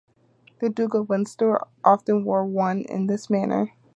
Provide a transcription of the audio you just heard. The Duke of Windsor often wore one in this manner.